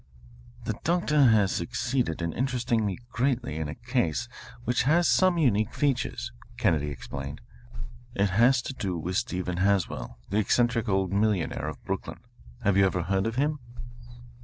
"The doctor has succeeded in interesting me greatly in a case which has some unique features," Kennedy explained. "It has to do with Stephen Haswell, the eccentric old millionaire of Brooklyn. Have you ever heard of him?"